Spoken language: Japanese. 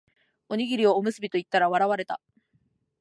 おにぎりをおむすびと言ったら笑われた